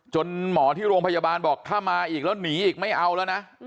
หมอที่โรงพยาบาลบอกถ้ามาอีกแล้วหนีอีกไม่เอาแล้วนะ